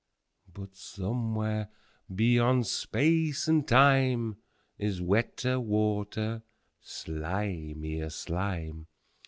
17But somewhere, beyond Space and Time.18Is wetter water, slimier slime!